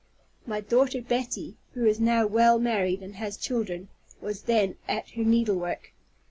My daughter Betty (who is now well married, and has children) was then at her needlework.